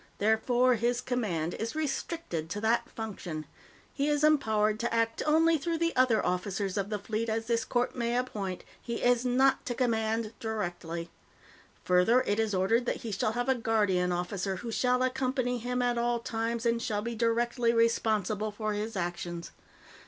Therefore, his command is restricted to that function. He is empowered to act only through the other officers of the Fleet as this Court may appoint; he is not to command directly. "Further, it is ordered that he shall have a Guardian Officer, who shall accompany him at all times and shall be directly responsible for his actions.